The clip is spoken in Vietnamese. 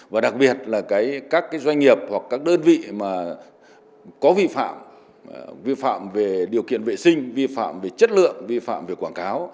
và đặc biệt là các doanh nghiệp hoặc các đơn vị mà có vi phạm vi phạm về điều kiện vệ sinh vi phạm về chất lượng vi phạm về quảng cáo